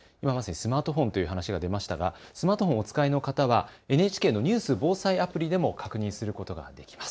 スマートフォンという話が出ましたがスマートフォンをお使いの方はＮＨＫのニュース・防災アプリでも確認することができます。